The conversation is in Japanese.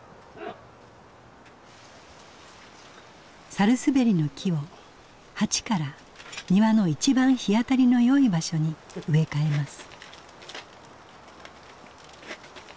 百日紅の木を鉢から庭の一番日当たりのよい場所に植え替えます。